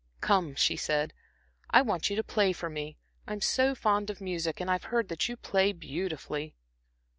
"Come," she said, "I want you to play for me. I'm so fond of music, and I've heard that you play beautifully."